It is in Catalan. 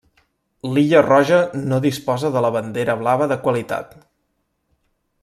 L'Illa Roja no disposa de la bandera blava de qualitat.